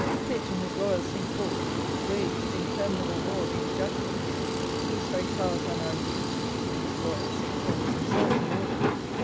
Pitt and his loyal Cinque Ports waged interminable war against Jacobins. These very towers are now used to keep these loyal Cinque Ports themselves in order.